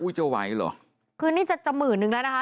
จะไหวเหรอคือนี่จะจะหมื่นนึงแล้วนะคะ